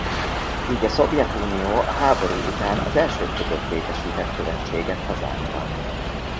Így a Szovjetunió a háború után az elsők között létesített követséget hazánkban.